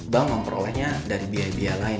bank memperolehnya dari biaya biaya lain